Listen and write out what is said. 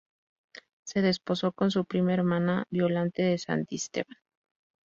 Se desposó con su prima hermana Violante de Santisteban.